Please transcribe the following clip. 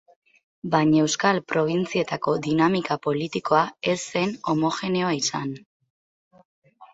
Baina euskal probintzietako dinamika politikoa ez zen homogeneoa izan.